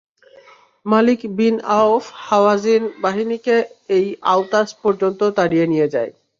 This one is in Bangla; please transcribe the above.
মালিক বিন আওফ হাওয়াযিন বাহিনীকে এই আওতাস পর্যন্ত তাড়িয়ে নিয়ে যায়।